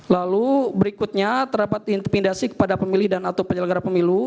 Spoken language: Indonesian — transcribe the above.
lalu berikutnya terdapat intimidasi kepada pemilih dan atau penyelenggara pemilu